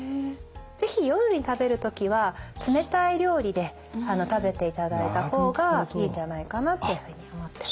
是非夜に食べる時は冷たい料理で食べていただいた方がいいんじゃないかなっていうふうに思ってます。